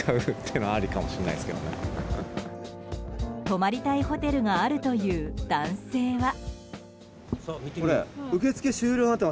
泊まりたいホテルがあるという男性は。